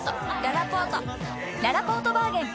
ららぽーとバーゲン開催！